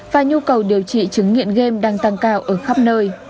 và nhu cầu điều trị chứng nghiện game đang tăng cao ở khắp nơi